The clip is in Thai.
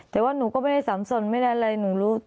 แต่ว่าหนูก็ไม่ได้สำสนไม่ได้อะไรหนูรู้